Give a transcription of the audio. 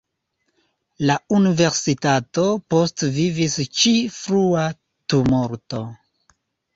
La Universitato postvivis ĉi frua tumulto.